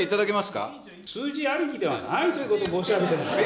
数字ありきではないということを申し上げている。